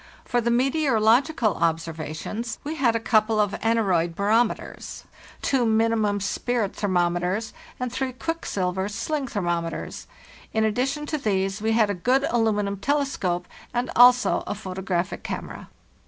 For the meteorological observations we had a couple of aneroid barometers, two minimum spirit thermometers and three quicksilver sling thermometers. In addition to these, we had a good aluminium telescope, and also a photographic camera.